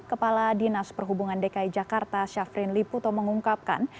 kepala dinas perhubungan dki jakarta syafrin liputo mengungkapkan